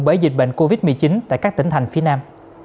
bởi dịch bệnh covid một mươi chín tại các tỉnh thành phía nam